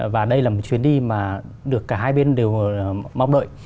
và đây là một chuyến đi mà được cả hai bên đều mong đợi